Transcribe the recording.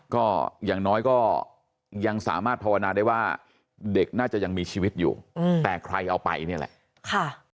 ก็อย่างน้อยก็ยังสามารถภาวนาได้ว่าเด็กน่าจะยังมีชีวิตอยู่แต่ใครเอาไปเนี่ยแหละ